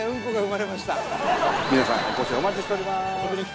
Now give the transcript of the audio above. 皆さんお越しをお待ちしております。